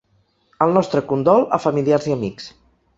El nostre condol a familiars i amics.